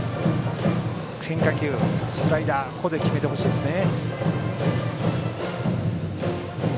変化球、スライダーをここで決めてほしいですね。